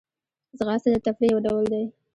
ځغاسته د تفریح یو ډول دی